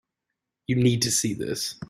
You need to see this.